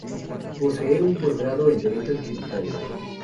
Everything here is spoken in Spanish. Posee un postgrado en Derecho tributario.